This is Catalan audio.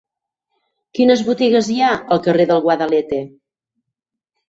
Quines botigues hi ha al carrer del Guadalete?